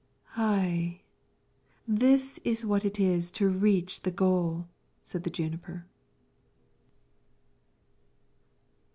"Ay, this is what it is to reach the goal!" said the juniper.